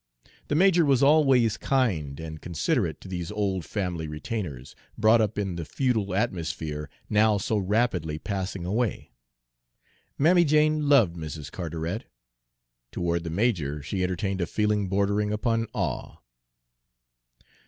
The major was always kind and considerate to these old family retainers, brought up in the feudal atmosphere now so rapidly passing away. Mammy Jane loved Mrs. Carteret; toward the major she entertained a feeling bordering upon awe.